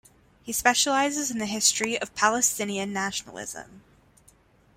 He specializes in the history of Palestinian nationalism.